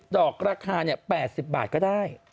๑๐ดอกราคา๘๐บาทก็ได้